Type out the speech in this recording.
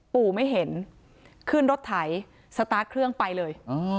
ปู่ไม่เห็นขึ้นรถไถสตาร์ทเครื่องไปเลย